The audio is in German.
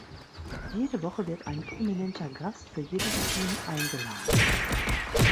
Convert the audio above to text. Jede Woche wird ein prominenter Gast für jedes Team eingeladen.